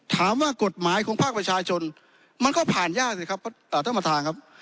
ถามว่ากฎหมายของภาคประชาชนมันก็ผ่านยากสิครับท่านประธานครับ